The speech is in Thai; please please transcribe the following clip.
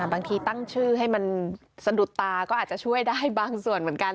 บางทีตั้งชื่อให้มันสะดุดตาก็อาจจะช่วยได้บางส่วนเหมือนกัน